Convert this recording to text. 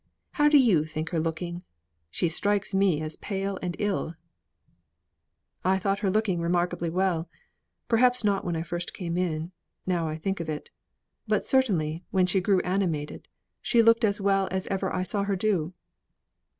How do you think her looking? She strikes me as pale and ill." "I thought her looking remarkably well. Perhaps not when I first came now I think of. But certainly, when she grew animated, she looked as well as ever I saw her do."